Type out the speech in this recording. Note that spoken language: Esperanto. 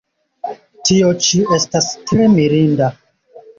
Tio ĉi estas tre mirinda!